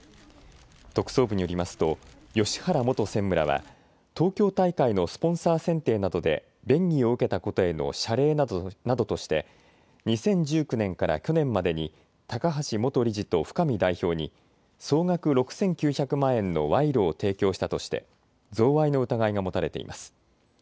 特捜部によりますと芳原元専務らは東京大会のスポンサー選定などで便宜を受けたことへの謝礼などとして２０１９年から去年までに高橋元理事と深見代表に総額６９００万円の賄賂を提供したとして贈賄の疑いが持たれています。